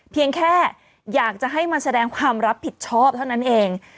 เพียงแค่อยากจะให้มาแสดงความรับผิดชอบเท่านั้นเอง